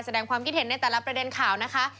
แสดงความคิดเห็นในแต่ละประเด็นข่าวนะคะ